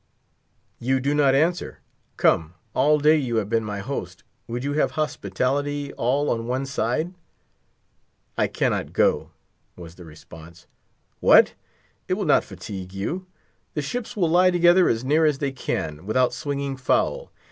"You do not answer. Come, all day you have been my host; would you have hospitality all on one side?" "I cannot go," was the response. "What? it will not fatigue you. The ships will lie together as near as they can, without swinging foul.